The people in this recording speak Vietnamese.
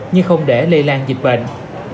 nhưng không để lây lan dịch bệnh